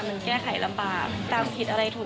มันแก้ไขลำบากตามผิดอะไรถูก